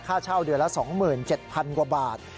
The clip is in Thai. ค่าเช่าเดือนละ๒๗๐๐กว่าบาท